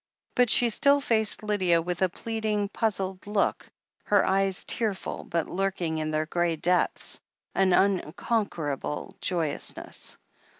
But she still faced Lydia with a pleading, puzzled look, her eyes tearful, but, lurking in their grey depths, an unconquerable joyousness.